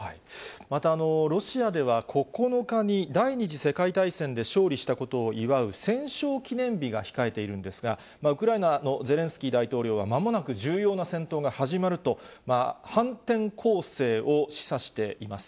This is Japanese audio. またロシアでは、９日に第２次世界大戦で勝利したことを祝う戦勝記念日が控えているんですが、ウクライナのゼレンスキー大統領は、まもなく重要な戦闘が始まると、反転攻勢を示唆しています。